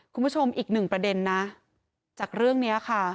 คุณผู้ชมอีกหนึ่งประเด็นนะจากเรื่องนี้ค่ะ